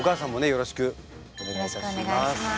よろしくお願いします。